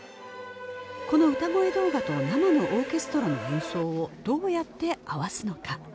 この歌声動画と生のオーケストラの演奏をどうやって合わすのか